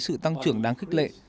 sự tăng trưởng đáng khích lệ